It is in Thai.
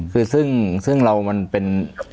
คือซึ่งเรามันเป็น